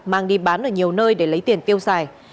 mang đi bán ở nhiều nơi để lấy tiền tiêu xài